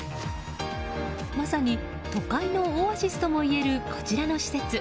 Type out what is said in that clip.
まさに都会のオアシスともいえるこちらの施設。